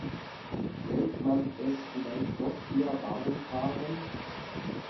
Nennt man es vielleicht doch eher Warnfarben?